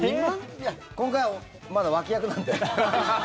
今回は、まだ脇役なんで。